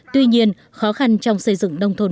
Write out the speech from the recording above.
tuy nhiên khó khăn trong xây dựng nông thôn